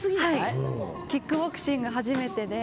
キックボクシング初めてで。